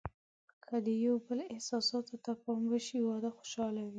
که د یو بل احساساتو ته پام وشي، واده خوشحاله وي.